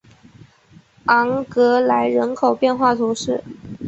昂格莱人口变化图示